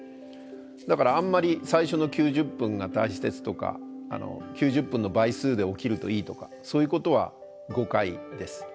だからあんまり最初の９０分が大事ですとか９０分の倍数で起きるといいとかそういうことは誤解です。